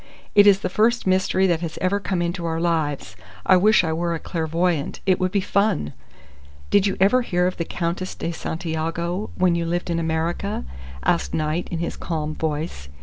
It is the first mystery that has ever come into our lives. I wish I were a clairvoyante. It would be fun!" "Did you ever hear of the Countess de Santiago, when you lived in America?" asked Knight in his calm voice.